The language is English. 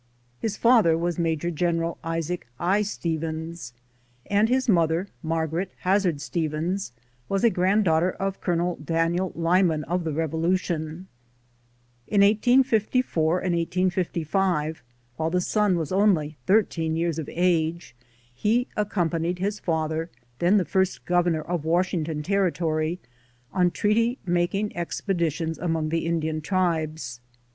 His father was Major General Isaac I. Stevens, and his mother, Margaret (Hazard) Stevens, was a franddaughter of Colonel Daniel Lyman of the Revolution, n 1854 and 1855, while the son was only thirteen years of age, he accompanied his father, then the first governor of Washin^on Territory, on treaty making expeditions among the Indian tribes.